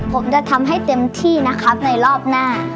ผมจะทำให้เต็มที่นะครับในรอบหน้า